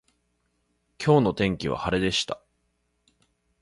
今日の天気は晴れでした。